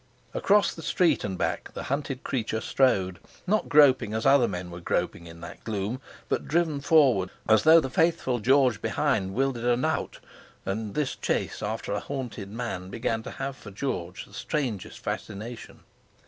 Across the street and back the hunted creature strode, not groping as other men were groping in that gloom, but driven forward as though the faithful George behind wielded a knout; and this chase after a haunted man began to have for George the strangest fascination.